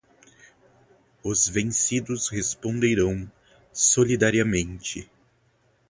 os vencidos responderão solidariamente